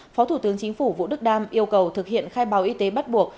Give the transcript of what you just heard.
phó thủ tướng chính phủ vũ đức đam yêu cầu thực hiện khai báo y tế bắt buộc